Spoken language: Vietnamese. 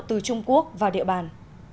từ trung quốc vào địa bàn